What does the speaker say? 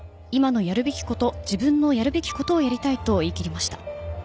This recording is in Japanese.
今のやるべきこと自分のやるべきことをやりたいと言い切りました。